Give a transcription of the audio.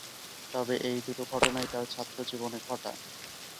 তবে এই দুটো ঘটনাই তার ছাত্রজীবনে ঘটা।